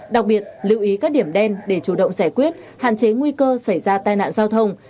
đặc biệt lưu ý các điểm đen để chủ động giải quyết hạn chế nguy cơ xảy ra tai nạn giao thông